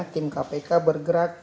tim kpk bergerak